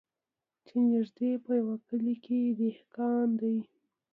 چي نیژدې په یوه کلي کي دهقان دی